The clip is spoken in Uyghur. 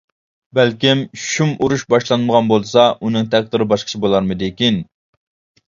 بەلكىم شۇم ئۇرۇش باشلانمىغان بولسا، ئۇنىڭ تەقدىرى باشقىچە بولارمىدىكىن.